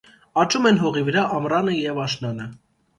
Աճում են հողի վրա՝ ամռանը և աշնանը։